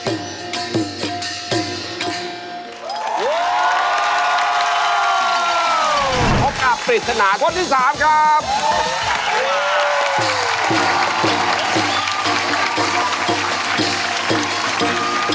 โอ้โฮ